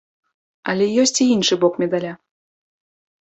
Але ёсць і іншы бок медаля.